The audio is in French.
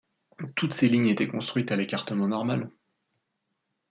Toutes ces lignes étaient construites à l'écartement normal.